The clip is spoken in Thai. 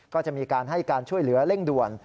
ก็จะมีการให้การช่วยเหลือเร่งด่วน